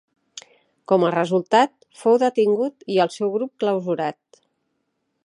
Com a resultat, fou detingut i el seu grup clausurat.